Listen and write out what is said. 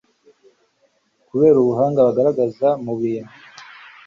kubera ubuhanga bagaragaza mu bintu